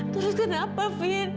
terus kenapa fien